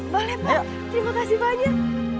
boleh pak terima kasih banyak